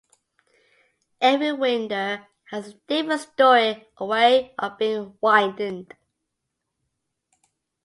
Every Winder has a different story or way of being winded.